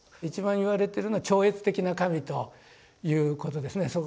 一番言われてるのは超越的な神ということですね。